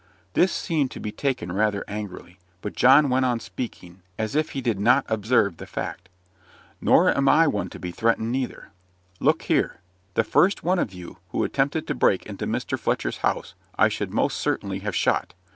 This seemed to be taken rather angrily; but John went on speaking, as if he did not observe the fact. "Nor am I one to be threatened, neither. Look here the first one of you who attempted to break into Mr. Fletcher's house I should most certainly have shot.